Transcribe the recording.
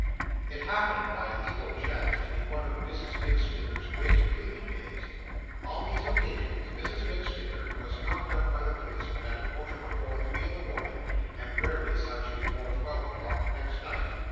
It happened by evil chance to be one of Mrs MacStinger's great cleaning days. On these occasions, Mrs MacStinger was knocked up by the policeman at a quarter before three in the morning, and rarely succumbed before twelve o'clock next night.